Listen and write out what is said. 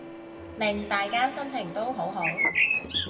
令大家心情都好好